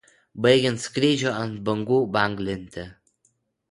baigiant skrydžiu ant bangų banglente